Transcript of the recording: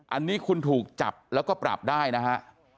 อันนี้คุณถูกจับแล้วก็ปรับได้นะฮะ